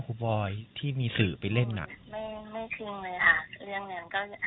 ครูปอยที่มีสื่อไปเล่นอ่ะไม่ไม่จริงเลยอ่ะเรื่องนั้นก็